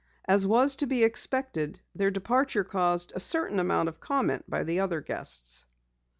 As was to be expected, their departure caused a certain amount of comment by the other guests.